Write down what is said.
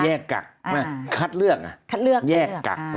แยกกักคัดเลือก